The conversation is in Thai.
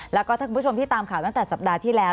แล้วก็ถ้าคุณผู้ชมที่ตามข่าวตั้งแต่สัปดาห์ที่แล้ว